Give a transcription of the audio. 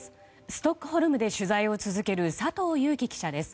ストックホルムで取材を続ける佐藤裕樹記者です。